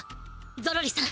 ゾロリさん！